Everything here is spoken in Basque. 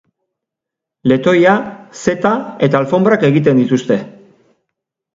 Letoia, zeta eta alfonbrak egiten dituzte.